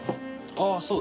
あぁそう。